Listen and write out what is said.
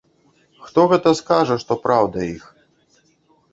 Хто гэта скажа, што праўда іх?